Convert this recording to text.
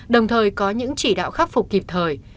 đồng thời có những chỉ đạo khắc phục kịp thời